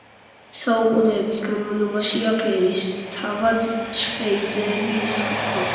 საუკუნეების განმავლობაში აქ ერისთავებად ჩხეიძეები ისხდნენ.